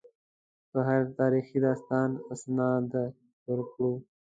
په هر تاریخي داستان استناد وکړو.